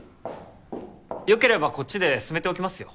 よければこっちで進めておきますよ